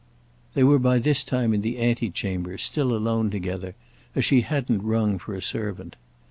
They were by this time in the antechamber, still alone together, as she hadn't rung for a servant.